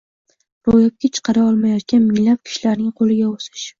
ro‘yobga chiqara olmayotgan minglab kishilarning qo‘liga o‘sish